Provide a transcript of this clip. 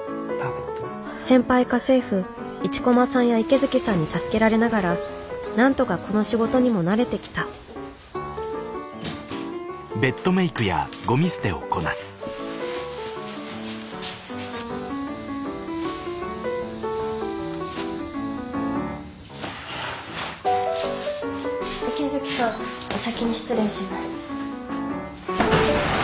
先輩家政婦一駒さんや池月さんに助けられながらなんとかこの仕事にも慣れてきた池月さんお先に失礼します。